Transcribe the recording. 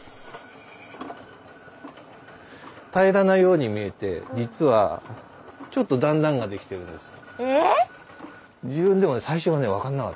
平らなように見えて実はちょっと段々ができてるんです。